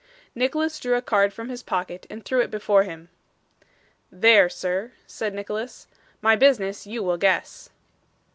Nicholas drew a card from his pocket, and threw it before him. 'There, sir,' said Nicholas; 'my business you will guess.